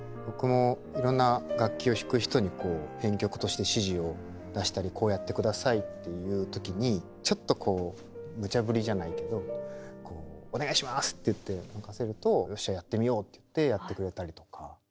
僕もいろんな楽器を弾く人に編曲として指示を出したりこうやってくださいって言う時にちょっとムチャぶりじゃないけど「お願いします！」って言って任せると「よっしゃやってみよう」って言ってやってくれたりとか。